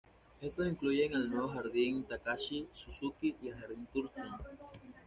Estos incluyen el nuevo Jardín Takashi Suzuki y el Jardín Thurston.